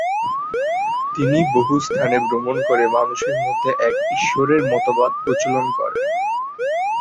তিনি বহু স্থানে ভ্রমণ করে মানুষের মধ্যে এক ঈশ্বরের মতবাদ প্রচলন করেন।